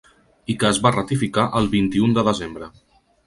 I que es va ratificar el vint-i-un de desembre.